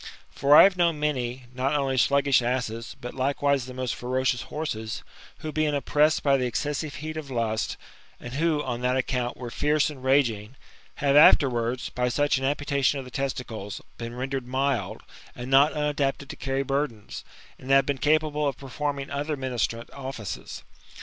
For I have knOWn many, not only sluggish asses, but likewise the most ferocious horses, who, being oppressed by the excessive heat of lust, and who,, on that account, were fierce and raging, have afterwards, by such an amputation of the testicles, been rendered mild, and not umtdapted to carry burdens, and hive been capable of perfo'rming other ministrant offices.